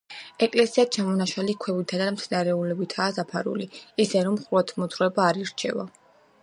ეკლესია ჩამონაშალი ქვებითა და მცენარეულობითაა დაფარული, ისე რომ ხუროთმოძღვრება არ ირჩევა.